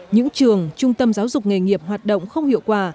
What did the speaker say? những trường trung tâm giáo dục nghề nghiệp hoạt động không hiệu quả